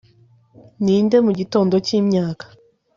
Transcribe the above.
Ninde mugitondo cyimyaka